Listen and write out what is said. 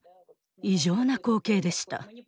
異常な光景でした。